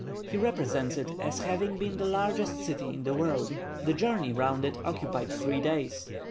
He represents it as having been the largest city in the world. The journey round it occupied three days.